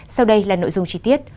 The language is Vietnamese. sau đây là nội dung chi tiết